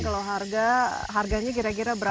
kalau harga harganya kira kira berapa